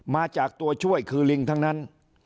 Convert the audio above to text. มาจากตัวช่วยคือลิงทั้งนั้น